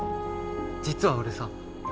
実は俺さ。